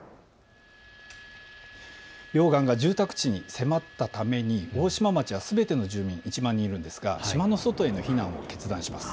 溶岩が住宅地に迫ったために、大島町はすべての住民、１万人いるんですが島の外への避難を決断します。